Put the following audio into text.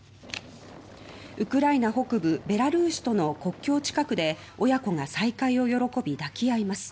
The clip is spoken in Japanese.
ウクライナ北部ベラルーシとの国境近くで親子が再会を喜び抱き合います。